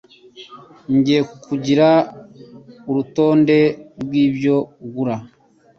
Ngiye kukugira urutonde rwibyo ugura.